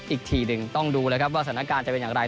อีกทีหนึ่งต้องดูแล้วครับว่าสถานการณ์จะเป็นอย่างไร